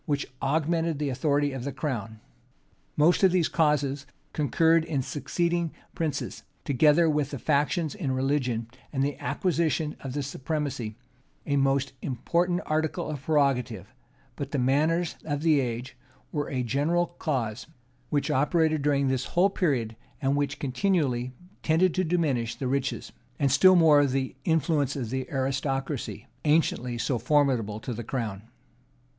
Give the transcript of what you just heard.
which augmented the authority of the crown: most of these causes concurred in succeeding princes; together with the factions in religion, and the acquisition of the supremacy, a most important article of prerogative: but the manners of the age were a general cause, which operated during this whole period, and which continually tended to diminish the riches, and still more the influence, of the aristocracy, anciently so formidable to the crown.